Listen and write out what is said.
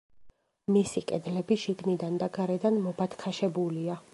მისი კედლები შიგნიდან და გარედან მობათქაშებულია.